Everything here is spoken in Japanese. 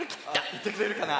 いってくれるかな？